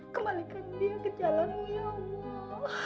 kembalikan dia ke jalanmu ya allah